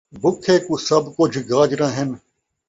بکھے کوں سبھ کجھ گاجراں ہن